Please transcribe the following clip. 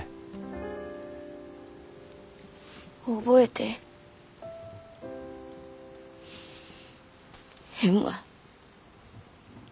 覚えてへんわ。